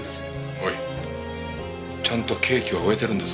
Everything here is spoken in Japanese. おいちゃんと刑期は終えてるんだぞ。